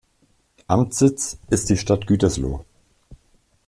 Amtssitz ist die Stadt Gütersloh.